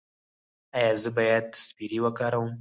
ایا زه باید سپری وکاروم؟